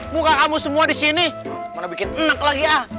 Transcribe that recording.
muka kamu semua di sini mana bikin enak lagi ah